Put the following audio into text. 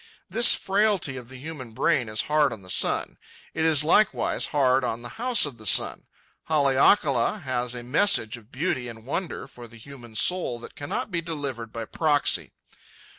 This frailty of the human brain is hard on the sun. It is likewise hard on the House of the Sun. Haleakala has a message of beauty and wonder for the human soul that cannot be delivered by proxy.